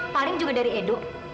paling juga dari edo